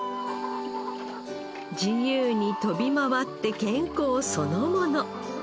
自由に飛び回って健康そのもの